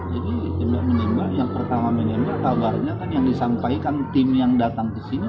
jadi tidak menembak yang pertama menembak kabarnya kan yang disampaikan tim yang datang ke sini